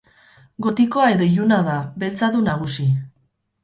Gotikoa edo iluna da, beltza du nagusi.